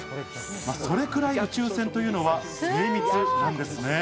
まあ、それぐらい宇宙船というのは精密なんですね。